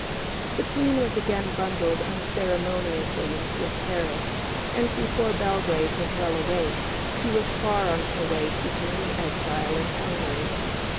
The Queen was again bundled unceremoniously into a carriage, and before Belgrade was well awake, she was far on her way to her new exile in Hungary.